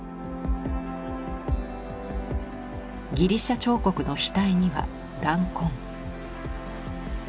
ギリシャ彫刻の額には弾痕。